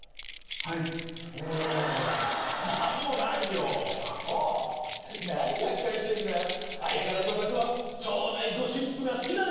はいうん何もないよあっそう何ガッカリしてんだよ相変わらずお宅は町内ゴシップが好きだね